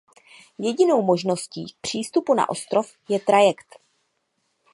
Jedinou možností k přístupu na ostrov je trajekt.